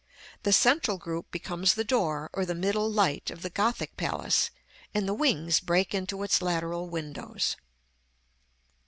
The central group becomes the door or the middle light of the Gothic palace, and the wings break into its lateral windows.